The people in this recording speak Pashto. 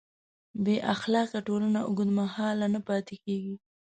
بېاخلاقه ټولنه اوږدمهاله نه پاتې کېږي.